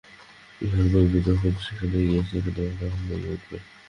ইহার পরবৎসর যখন সেখানে গিয়াছি তখন মাঘের শেষ।